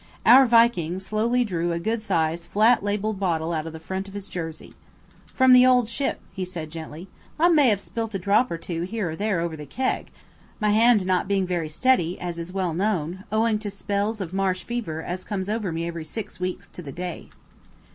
Our Viking slowly drew a good sized flat labelled bottle out of the front of his jersey. "From the 'Old Ship,'" he said gently. "I may have spilt a drop or two here or there over the keg, my hand not being very steady, as is well known, owing to spells of marsh fever as comes over me every six weeks to the day.